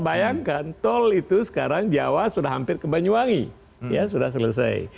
bayangkan tol itu sekarang jawa sudah hampir ke banyuwangi ya sudah selesai